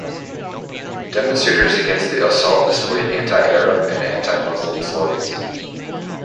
Demonstrators against the assault displayed anti-Arab and anti-Muslim slogans.